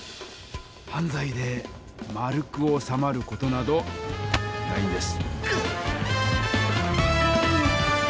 犯罪で円くおさまる事などないんです！